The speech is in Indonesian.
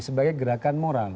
sebagai gerakan moral